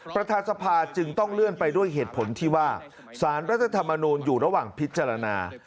ประธานสภาจึงต้องเลื่อนไปด้วยเหตุผลที่ว่าสารรัฐธรรมนูลอยู่ระหว่างพิจารณา